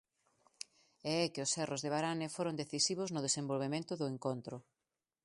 E é que os erros de Varane foron decisivos no desenvolvemento do encontro.